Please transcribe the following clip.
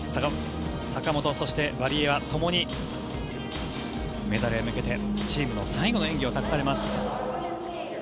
坂本、そしてワリエワともにメダルへ向けてチームの最後の演技を託されます。